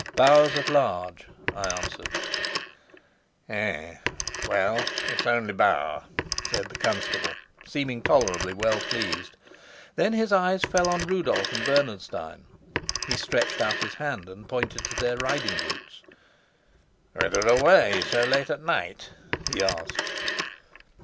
"Bauer's at large," I answered. "Hum! Well, it's only Bauer," said the constable, seeming tolerably well pleased. Then his eyes fell on Rudolf and Bernenstein. He stretched out his hand and pointed to their riding boots. "Whither away so late at night?" he asked.